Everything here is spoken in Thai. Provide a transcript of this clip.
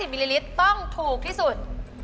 มิลลิลิตรต้องถูกที่สุด